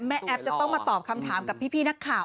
แอปจะต้องมาตอบคำถามกับพี่นักข่าว